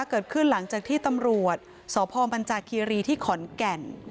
เกิดขึ้นหลังจากที่ตำรวจสพบรรจาคีรีที่ขอนแก่น